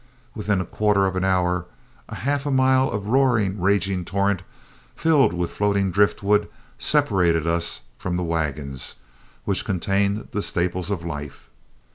Within a quarter of an hour, a halfmile of roaring, raging torrent, filled with floating driftwood, separated us from the wagons which contained the staples of life.